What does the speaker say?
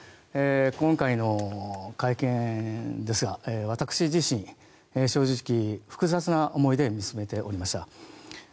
今回の会見ですが私自身、正直複雑な思いで見つめておりました。